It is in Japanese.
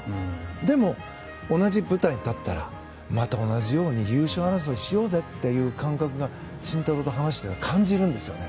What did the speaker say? でも、同じ舞台に立ったらまた同じように優勝争いをしようぜという感覚が慎太郎と話していたら感じるんですよね。